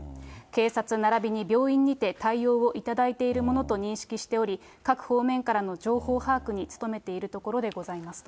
警察ならびに病院にて対応を頂いているものと認識しており、各方面からの情報把握に努めているところでございますと。